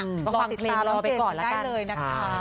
รอติดตามน้องเจมส์กันได้เลยนะคะ